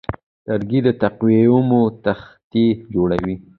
لرګی د تقویمو تختې جوړوي.